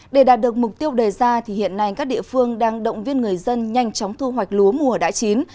để đạt được mục tiêu đề ra hiện nay các địa phương đang động viên người dân nhanh chóng thu hoạch lúa mùa đã chín